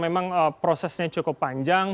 memang prosesnya cukup panjang